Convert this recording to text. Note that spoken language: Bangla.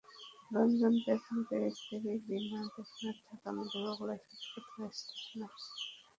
রঞ্জন দেবনাথের স্ত্রী বীণা দেবনাথ ঢাকা মেডিকেল কলেজ হাসপাতালের স্টাফ নার্স।